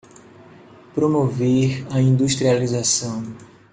Promover a industrialização